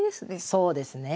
そうですね。